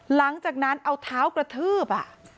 หลังจากนั้นเอาเท้ากระทืบ